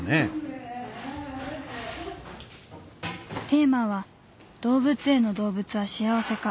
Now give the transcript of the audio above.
テーマは「動物園の動物は幸せか」。